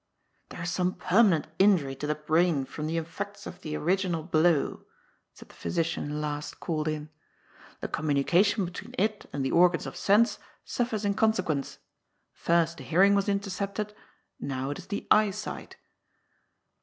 " There is some permanent injury to the brain from the effects of the original blow," said the physician last called LIOHT AKD SHADB. 35 in. *' The commnnication between it and the organs of sense suffers in consequence. First the hearing was inter cepted. Now it is the eyesight.'